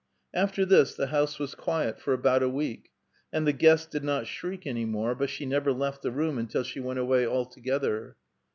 After this the house was quiet for about a week, and the guest did not shriek any more, but she never left the room until she went awaj' altogether.